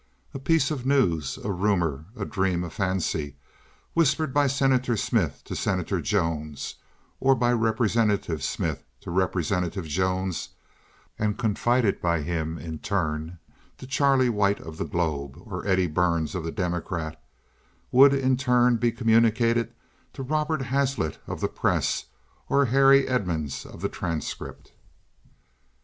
A piece of news—a rumor, a dream, a fancy—whispered by Senator Smith to Senator Jones, or by Representative Smith to Representative Jones, and confided by him in turn to Charlie White, of the Globe, or Eddie Burns, of the Democrat, would in turn be communicated to Robert Hazlitt, of the Press, or Harry Emonds, of the Transcript.